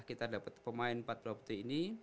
kita dapat pemain empat propti ini